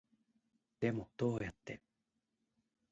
でもどうやって